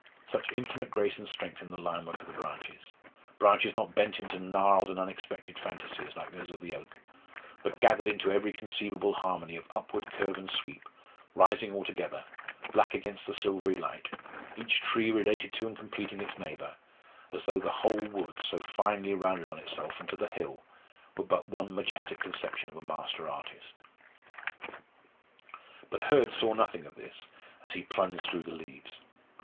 Such infinite grace and strength in the line work of the branches! branches not bent into gnarled and unexpected fantasies, like those of the oak, but gathered into every conceivable harmony of upward curve and sweep, rising all together, black against the silvery light, each tree related to and completing its neighbour, as though the whole wood, so finely rounded on itself and to the hill, were but one majestic conception of a master artist. But Hurd saw nothing of this as he plunged through the leaves.